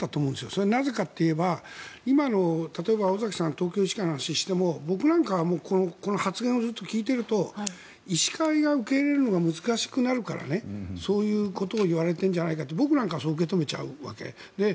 それはなぜかといえば今の東京都医師会の尾崎さんの話でも僕なんかはこの発言をずっと聞いていると医師会が受け入れるのが難しくなるから、そういうことを言われているんじゃないかって僕なんか受け止めちゃうわけです。